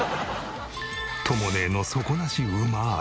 とも姉の底なし馬愛。